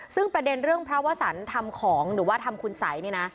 ซึ่งประเด็นเรื่องพระวสันทำของหรือว่าทำคุณสัยเนี่ยนะ